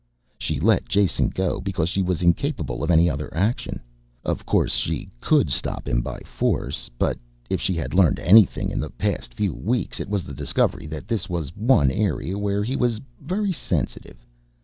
She let Jason go because she was incapable of any other action. Of course she could stop him by force, but if she had learned anything in the past few weeks, it was the discovery that this was one area where he was very sensitive.